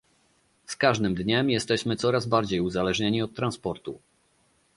Z każdym dniem jesteśmy coraz bardziej uzależnieni od transportu